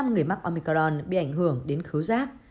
người mắc omicron bị ảnh hưởng đến khấu giác